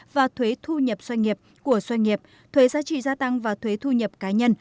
và thuế thu nhập doanh nghiệp của doanh nghiệp thuế giá trị gia tăng và thuế thu nhập cá nhân